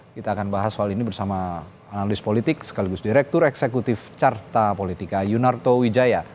kita akan bahas soal ini bersama analis politik sekaligus direktur eksekutif carta politika yunarto wijaya